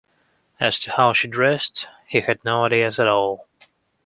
As to how she dressed, he had no ideas at all.